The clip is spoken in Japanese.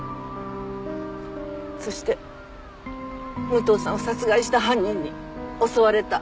そして武藤さんを殺害した犯人に襲われた。